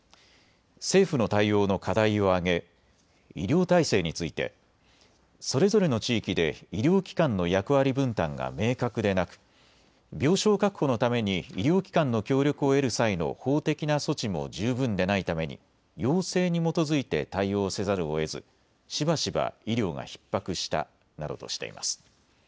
政府の対応の課題を挙げ医療体制についてそれぞれの地域で医療機関の役割分担が明確でなく病床確保のために医療機関の協力を得る際の法的な措置も十分でないために要請に基づいて対応せざるをえずしばしば医療がひっ迫したなどとしています。